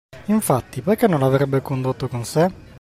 Infatti, perché non l’avrebbe condotto con sé?